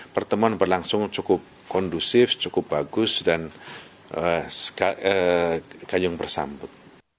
pertemuan berlangsung cukup kondusif cukup bagus dan kayung bersambut